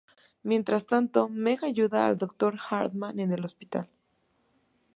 Mientras tanto, Meg ayuda al Dr. Hartman en el hospital.